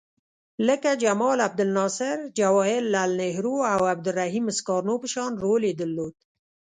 لکه جمال عبدالناصر، جواهر لعل نهرو او عبدالرحیم سکارنو په شان رول یې درلود.